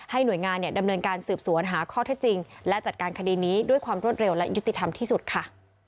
หน่วยงานดำเนินการสืบสวนหาข้อเท็จจริงและจัดการคดีนี้ด้วยความรวดเร็วและยุติธรรมที่สุดค่ะ